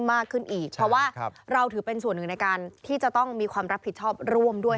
มากขึ้นอีกเพราะว่าเราถือเป็นส่วนหนึ่งในการที่จะต้องมีความรับผิดชอบร่วมด้วย